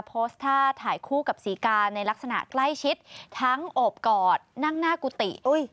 โพสต์ท่าถ่ายคู่กับศรีกาในลักษณะใกล้ชิดทั้งโอบกอดนั่งหน้ากุฏิ